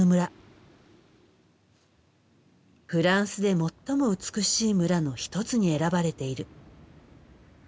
「フランスで最も美しい村」の一つに選ばれている。